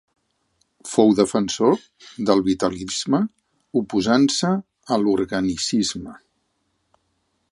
Fou defensor del vitalisme oposant-se a l'organicisme.